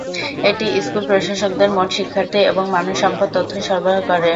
এটি স্কুল প্রশাসকদের মোট শিক্ষার্থী এবং মানব সম্পদ তথ্য সরবরাহ করে।